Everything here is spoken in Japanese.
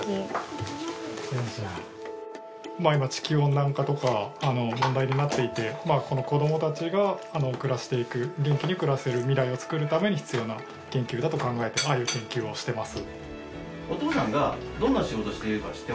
まぁ今地球温暖化とか問題になっていてこの子どもたちが暮らしていく元気に暮らせる未来を作るために必要な研究だと考えてああいう研究をしてます